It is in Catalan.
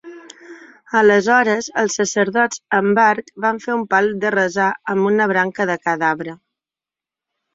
Aleshores els sacerdots amb arc van fer un pal de resar amb una branca de cada arbre.